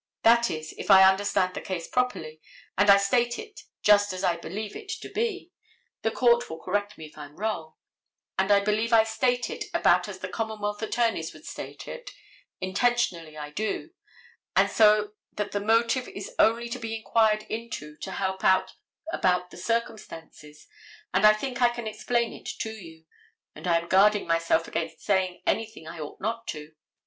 That is it, if I understand the case properly, and I state it just as I believe it to be—the court will correct me if I am wrong—and I believe I state it about as the commonwealth attorneys would state it, intentionally I do; and so that motive is only to be inquired into to help out about the circumstances, and I think I can explain it to you—and I am guarding myself against saying anything I ought not to.